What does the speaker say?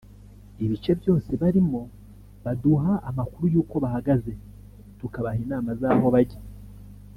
ibice byose barimo baduha amakuru yuko bahagaze tukabaha inama z’aho bajya